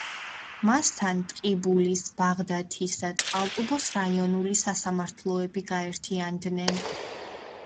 მასთან ტყიბულის, ბაღდათის და წყალტუბოს რაიონული სასამართლოები გაერთიანდნენ.